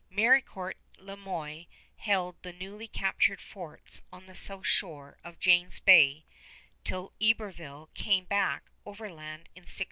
Maricourt Le Moyne held the newly captured forts on the south shore of James Bay till Iberville came back overland in 1687.